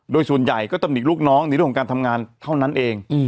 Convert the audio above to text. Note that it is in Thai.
โดยส่วนใหญ่ก็ต้องหนีกลูกน้องหนีกลูกของการทำงานเท่านั้นเอง